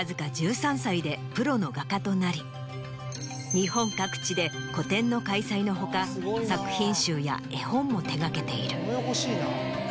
日本各地で個展の開催の他作品集や絵本も手がけている。